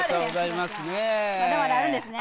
まだまだあるんですね？